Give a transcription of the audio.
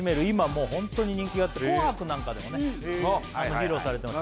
もうホントに人気があって「紅白」なんかでもね披露されてます